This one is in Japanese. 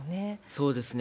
そうですね。